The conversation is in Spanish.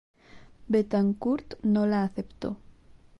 Betancourt no la aceptó.